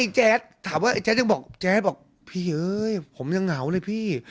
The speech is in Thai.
แจ๊ดถามว่าไอแจ๊ดยังบอกแจ๊ดบอกพี่เอ้ยผมยังเหงาเลยพี่